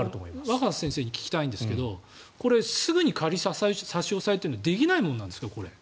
若狭先生に聞きたいんですけどこれ、すぐに仮差し押さえというのはできないものなんですか？